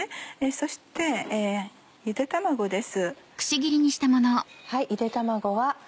そしてゆで卵です。